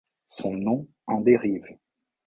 Son nom en dérive.